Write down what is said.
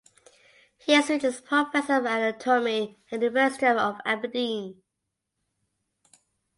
He is Regius Professor of Anatomy at the University of Aberdeen.